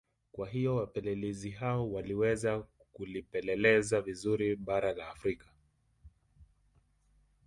Kwa hiyo wapelezi hao waliweza kulipeleleza vizuri bara la Afrika